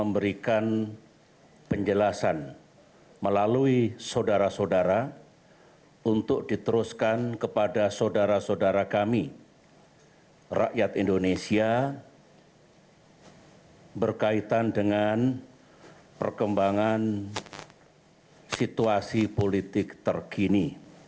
berkaitan dengan perkembangan situasi politik terkini